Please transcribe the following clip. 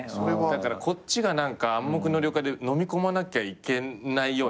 だからこっちが暗黙の了解でのみ込まなきゃいけないような感じなんすねいつもね。